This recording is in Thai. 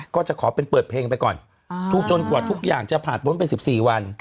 ก็จะขอเป็นเปิดเพลงไปก่อนจนกว่าทุกอย่างจะผ่านพ้นไป๑๔วัน